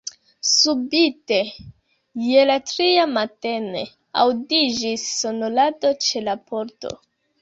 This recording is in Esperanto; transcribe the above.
Subite, je la tria matene, audiĝis sonorado ĉe la pordo.